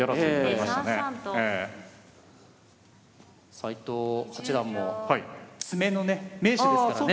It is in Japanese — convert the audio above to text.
斎藤八段も詰めのね名手ですからね。